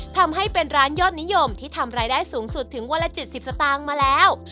ทำให้เป็นร้านยอดนิยมที่ทำรายได้สูงสุดถึงวันละ๗๐สตางค์มาแล้ว